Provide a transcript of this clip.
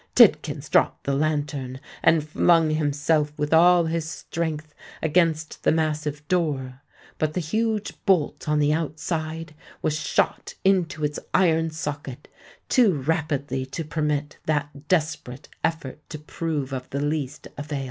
Tidkins dropped the lantern, and flung himself with all his strength against the massive door;—but the huge bolt on the outside was shot into its iron socket too rapidly to permit that desperate effort to prove of the least avail.